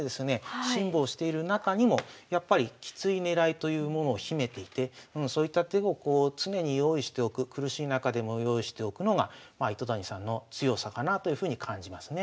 辛抱している中にもやっぱりきつい狙いというものを秘めていてそういった手をこう常に用意しておく苦しい中でも用意しておくのが糸谷さんの強さかなというふうに感じますね。